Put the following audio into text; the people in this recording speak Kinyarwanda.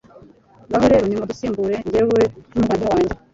ngaho rero nimudusimbure, jyewe n'umuvandimwe wanjye